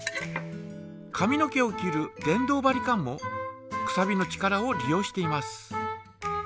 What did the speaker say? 髪の毛を切る電動バリカンもくさびの力を利用しています。